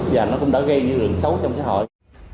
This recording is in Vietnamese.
và nó cũng đã gây những lường xấu trong xã hội